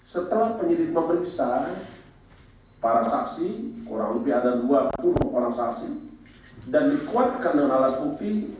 setelah penyidik memeriksa para saksi kurang lebih ada dua puluh orang saksi dan dikuatkan dengan alat bukti